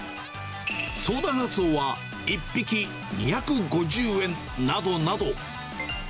ソウダガツオは１匹２５０円などなど。